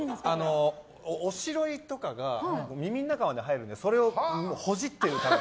おしろいとかが耳の中まで入るのでそれをほじってる。